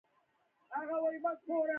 د قلم لیک ښکلی وي.